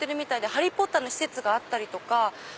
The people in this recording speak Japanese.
『ハリー・ポッター』の施設があったりとか。